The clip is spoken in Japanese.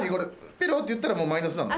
ピロンッていったらもうマイナスなの？